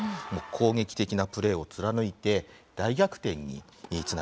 攻撃的なプレーを貫いて大逆転につなげました。